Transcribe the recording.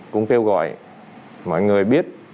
cũng kêu gọi mọi người biết